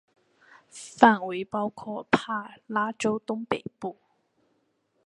范围包括帕拉州东北部。